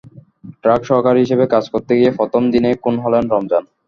Truck সহকারী হিসেবে কাজ করতে গিয়ে প্রথম দিনেই খুন হলেন রমজান।